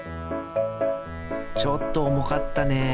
ちょっとおもかったね。